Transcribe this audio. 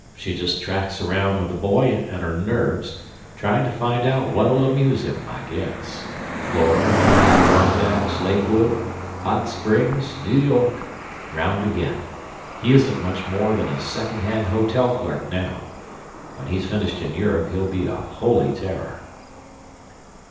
She just tracks around with the boy and her nerves, trying to find out what'll amuse him, I guess. Florida, Adirondacks, Lakewood, Hot Springs, New York, and round again. He isn't much more than a second hand hotel clerk now. When he's finished in Europe he'll be a holy terror."